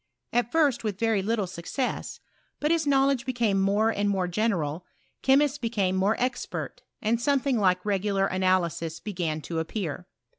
At first, with very little success ; but as knowledge became more and morp general, chemists became more expert, and something like regular analysis began to appear.